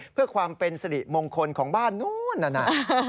เพื่อความเป็นสริมงคลของบ้านนู้นนั่นน่ะ